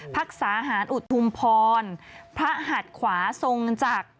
รักษาหารอุทุมพรพระหัดขวาทรงจักร